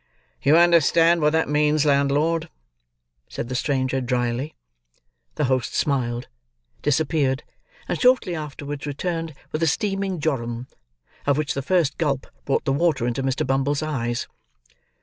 "You understand what that means, landlord!" said the stranger, drily. The host smiled, disappeared, and shortly afterwards returned with a steaming jorum: of which, the first gulp brought the water into Mr. Bumble's eyes.